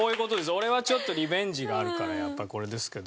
俺はちょっとリベンジがあるからやっぱりこれですけど。